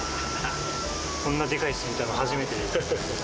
こんなでかい巣、見たの初めてです。